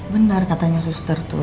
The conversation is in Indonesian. benar katanya suster tuh